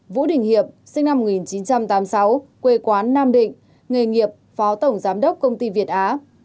vũ đình hiệp sinh năm một nghìn chín trăm tám mươi sáu quê quán nam định nghề nghiệp phó tổng giám đốc công ty việt á